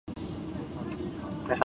ｔｒｇｔｙｔｎ